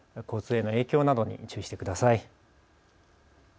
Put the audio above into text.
交通への影響などに注意してください。